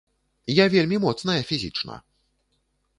Я вельмі моцная фізічна!